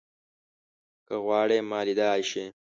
که غواړې ما ليدای شې